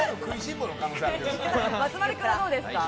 松丸君どうですか？